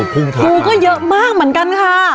ผู้ก็เยอะมากเหมือนกันค่ะ